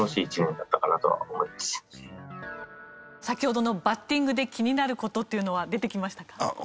先ほどのバッティングで気になる事というのは出てきましたか？